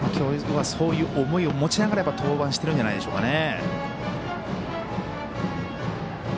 きょうはそういう思いを持ちながら登板してるんじゃないでしょうか。